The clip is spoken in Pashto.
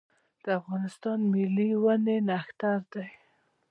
د افغانستان ملي ونې نښتر دی